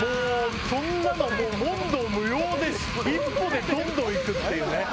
そんなのもう問答無用で１歩でどんどん行くっていうね。